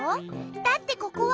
だってここは。